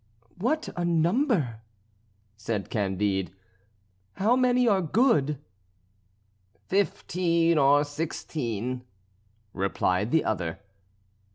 "What a number!" said Candide. "How many good?" "Fifteen or sixteen," replied the other.